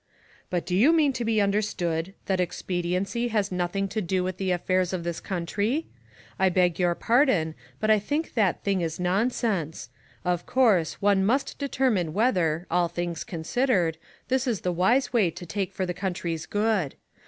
" But do you mean to be understood that expediency has nothing to do with the affairs of this country? I beg your pardon, but I think that thing is nonsense ; of course, one must determine whether, all things considered, this is the wise way to take for the country's good.